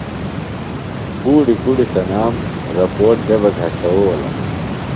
بوڈیۡ کُڑی تنام رپوٹ دےۡ بہ گھشوؤلہ۔